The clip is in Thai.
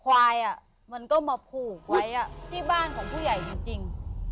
ควายมันก็มาผูกไว้ที่บ้านของผู้ใหญ่จริง